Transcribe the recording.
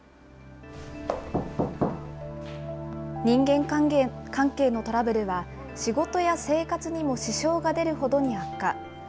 人間関係のトラブルは、仕事や生活にも支障が出るほどに悪化。